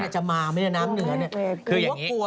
จะมาไหมเนี่ยน้ำเหนือ